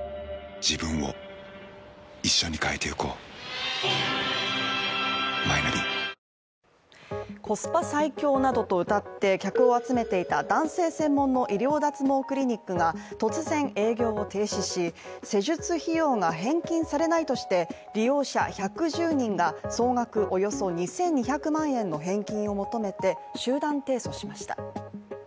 ヒューマンヘルスケアのエーザイコスパ最強などとうたって客を集めていた男性専門の医療脱毛クリニックが突然営業を停止し施術費用が返金されないとして利用者１１０人が総額およそ２２００万円の返金を求めて集団提訴しました。